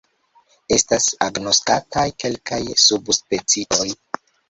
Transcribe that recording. Estas agnoskataj kelkaj subspecioj.